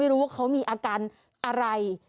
รู้ว่าเขามีอาการอะไร